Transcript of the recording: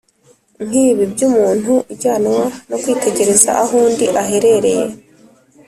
nk’ibi by’umuntu ujyanwa no kwitegereza aho undi aherereye